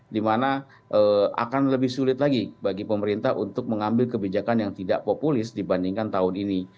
dimana akan lebih sulit lagi bagi pemerintah untuk mengambil kebijakan yang tidak populis dibandingkan tahun ini